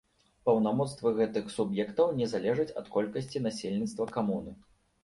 Паўнамоцтвы гэтых суб'ектаў не залежаць ад колькасці насельніцтва камуны.